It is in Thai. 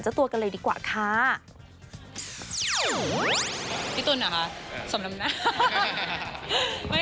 ฉันเป็นลมเป็นแรงก็ไม่ได้รู้เลยว่าฉันเป็นอะไร